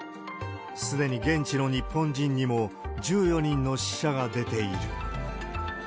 すでに現地の日本人にも、１４人の死者が出ている。